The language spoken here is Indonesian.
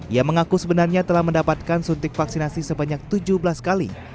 ia mengaku sebenarnya telah mendapatkan suntik vaksinasi sebanyak tujuh belas kali